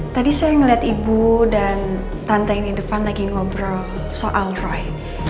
tadi saya melihat ibu dan tante yang di depan lagi ngobrol soal roy